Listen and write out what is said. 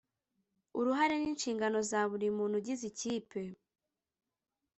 uruhare n’inshingano za buri muntu ugize ikipe